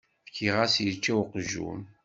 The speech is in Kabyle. Fkiɣ-as yečča uqjun.